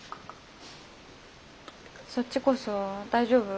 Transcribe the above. そっちこそ大丈夫？